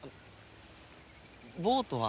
ボートは？